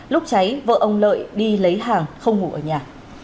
lúc cháy vợ ông lợi đi lấy hàng không ngủ ở nhà